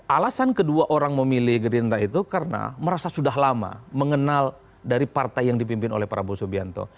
alasan kedua orang memilih gerindra itu karena merasa sudah lama mengenal dari partai yang dipimpin oleh prabowo subianto